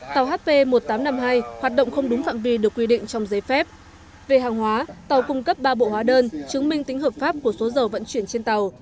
tàu hp một nghìn tám trăm năm mươi hai hoạt động không đúng phạm vi được quy định trong giấy phép về hàng hóa tàu cung cấp ba bộ hóa đơn chứng minh tính hợp pháp của số dầu vận chuyển trên tàu